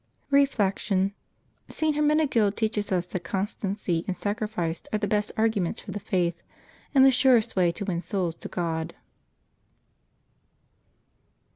Reflection. — St. Hermenegild teaches us that constancy and sacrifice are the best arguments for the Faith, and the surest way to win souls to God.